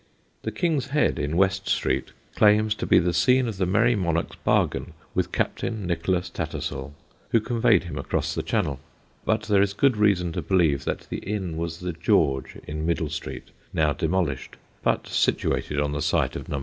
The King's Head, in West Street, claims to be the scene of the merry monarch's bargain with Captain Nicholas Tattersall, who conveyed him across the Channel; but there is good reason to believe that the inn was the George in Middle Street, now demolished, but situated on the site of No.